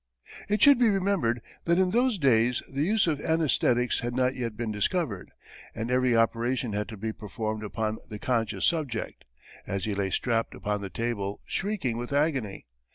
It should be remembered that in those days the use of anæsthetics had not yet been discovered, and every operation had to be performed upon the conscious subject, as he lay strapped upon the table shrieking with agony.